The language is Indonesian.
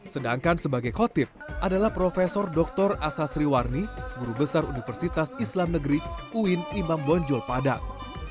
sedangkan sebagai khotib adalah prof dr asa sri warni guru besar universitas islam negeri uin imam bonjol padang